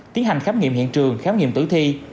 tiến hành khám nghiệm hiện trường khám nghiệm tử thi